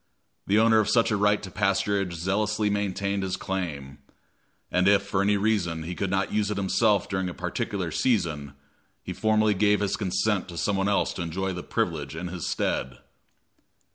The owner of such a right to pasturage zealously maintained his claim; and if, for any reason, he could not use it himself during a particular season, he formally gave his consent to some one else to enjoy the privilege in his stead.